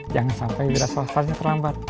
jangan sampai berasa sasanya terlambat